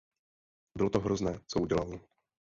Bylo to hrozné, co udělal.